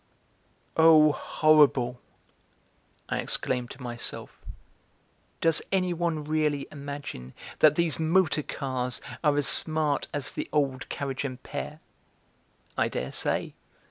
"Oh, horrible!" I exclaimed to myself: "Does anyone really imagine that these motor cars are as smart as the old carriage and pair? I dare say.